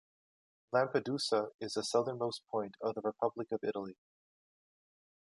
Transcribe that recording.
Lampedusa is the southernmost point of the Republic of Italy.